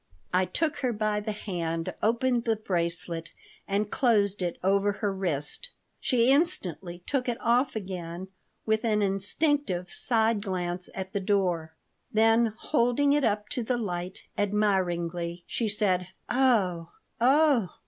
I took her by the hand, opened the bracelet, and closed it over her wrist. She instantly took it off again, with an instinctive side glance at the door. Then, holding it up to the light admiringly, she said: "Oh! Oh!